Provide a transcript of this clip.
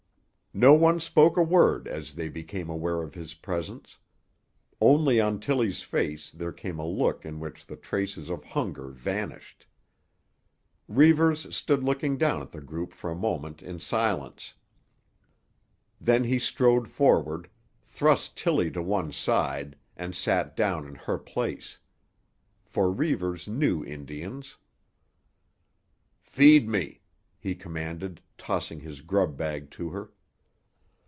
No one spoke a word as they became aware of his presence. Only on Tillie's face there came a look in which the traces of hunger vanished. Reivers stood looking down at the group for a moment in silence. Then he strode forward, thrust Tillie to one side and sat down in her place. For Reivers knew Indians. "Feed me," he commanded, tossing his grub bag to her.